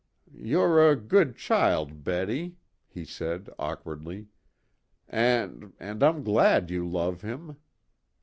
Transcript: "You're a good child, Betty," he said awkwardly. "And and I'm glad you love him.